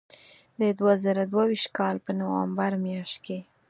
د دوه زره دوه ویشت کال په نومبر میاشت کې.